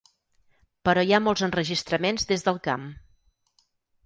Però hi ha molts enregistraments des del camp.